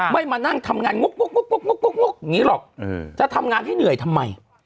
มานั่งทำงานงกอย่างนี้หรอกจะทำงานให้เหนื่อยทำไม